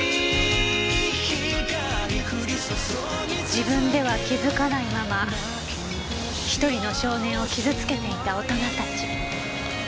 自分では気づかないまま一人の少年を傷つけていた大人たち。